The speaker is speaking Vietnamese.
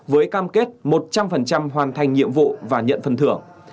với cam kết một trăm linh hoàn thành nhiệm vụ và nhận phần thưởng